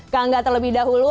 ke angga terlebih dahulu